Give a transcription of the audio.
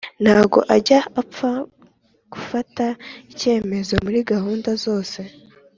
ntago ajya apfa gufata ikemezo muri gahunda zose